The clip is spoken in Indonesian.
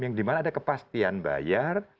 yang dimana ada kepastian bayar